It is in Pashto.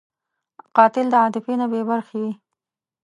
قاتل د عاطفې نه بېبرخې وي